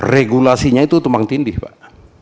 regulasinya itu tumpang tindih pak